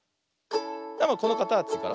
このかたちから。